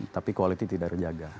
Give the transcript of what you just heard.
tapi quality tidak dijaga